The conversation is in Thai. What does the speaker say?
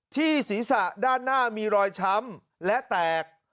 ที่ศีรษะด้านหน้ามีรอยช้ำและแตก